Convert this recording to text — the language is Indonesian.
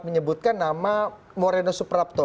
menyebutkan nama moreno suprapto